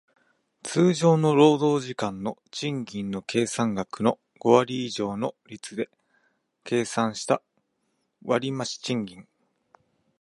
通常の労働時間の賃金の計算額の五割以上の率で計算した割増賃金